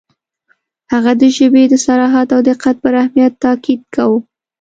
• هغه د ژبې د صراحت او دقت پر اهمیت تأکید کاوه.